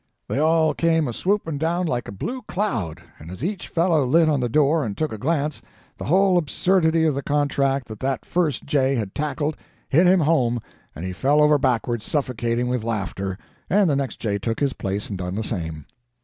They all came a swooping down like a blue cloud, and as each fellow lit on the door and took a glance, the whole absurdity of the contract that that first jay had tackled hit him home and he fell over backward suffocating with laughter, and the next jay took his place and done the same.